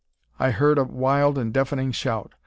I heard a wild and deafening shout.